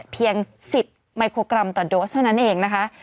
เพียง๑๐ไมโครกรัมต่อโดสเท่านั้นเองนะคะ